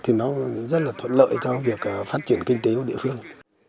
thì nó rất là thuận lợi cho việc phát triển kinh tế của địa phương